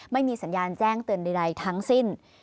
ไม่มีสัญญาณแจ้งเตือนใดทั้งสิ้น